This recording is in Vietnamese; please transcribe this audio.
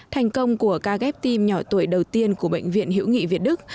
thành công của ca ghép tim nhỏ tuổi đầu tiên của bệnh viện hữu nghị việt đức